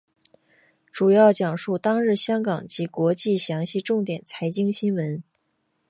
主要讲述当日香港以及国际详细重点财经新闻。